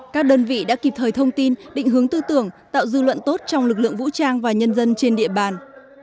các đơn vị đã kịp thời thông tin định hướng tư tưởng tạo dư luận tốt trong lực lượng vũ trang và nhân dân trên địa bàn